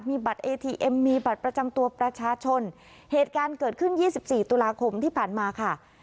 มีบัตรเอทีเอ็มมีบัตรประจำตัวประชาชนเหตุการณ์เกิดขึ้นยี่สิบสี่ตุลาคมที่ผ่านมาค่ะ